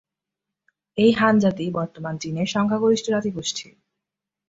এই হান জাতি বর্তমান চীনের সংখ্যাগরিষ্ঠ জাতিগোষ্ঠী।